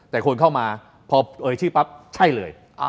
แต่คนเข้ามาพอเอ่ยชื่อปั๊บใช่เลย